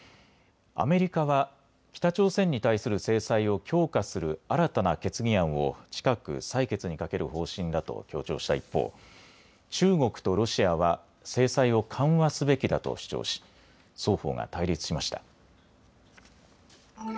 アメリカは北朝鮮に対する制裁を強化する新たな決議案を近く採決にかける方針だと強調した一方、中国とロシアは制裁を緩和すべきだと主張し双方が対立しました。